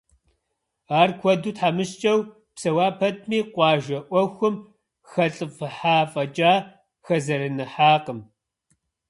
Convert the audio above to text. Ар куэду тхьэмыщкӏэу псэуа пэтми, къуажэ ӏуэхум хэлӏыфӏыхьа фӏэкӏа, хэзэрэныхьакъым.